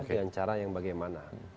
dengan cara yang bagaimana